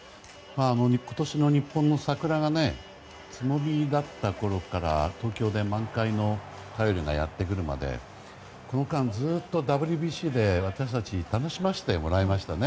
今年の日本の桜がねつぼみだったころから東京で満開の便りがやってくるまでこの間、ずっとＷＢＣで私たち楽しませてもらいましたね。